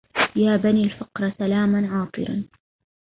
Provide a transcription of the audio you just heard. يا بني الفقر سلاما عاطرا